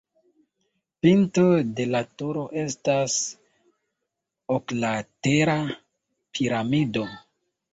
Pinto de la turo estas oklatera piramido.